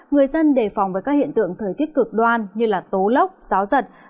người dân đề phòng với các hiện tượng thời tiết cực đoan như tố lốc gió giật